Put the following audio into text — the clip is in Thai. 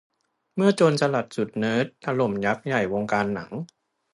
เมื่อโจรสลัดสุดเนิร์ด ถล่มยักษ์ใหญ่วงการหนัง